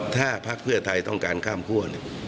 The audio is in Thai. ถ้าพักเพื่อไทยต้องการข้ามคั่ว